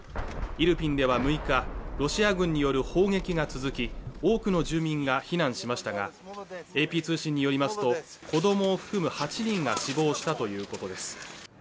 イルピンでは６日ロシア軍による砲撃が続き多くの住民が避難しましたがＡＰ通信によりますと子どもを含む８人が死亡したということです